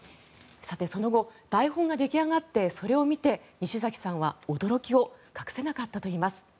その後、台本が出来上がってそれを見て西崎さんは驚きを隠せなかったといいます。